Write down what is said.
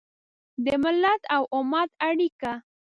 د ملت او امت اړیکه